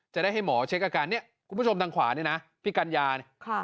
จะได้ให้หมอเช็คอาการเนี่ยคุณผู้ชมทางขวานี่นะพี่กัญญาเนี่ย